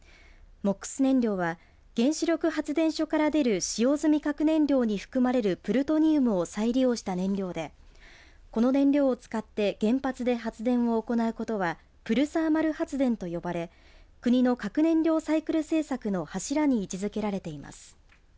ＭＯＸ燃料は原子力発電所から出る使用済み核燃料に含まれるプルトニウムを再利用した燃料でこの燃料を使って原発で発電を行うことはプルサーマル発電と呼ばれ国の核燃料サイクル政策の柱に位置づけられています。